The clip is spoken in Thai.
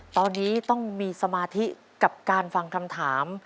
ตอนนี้ต้องมีสมาธิกับการฟังคำถาม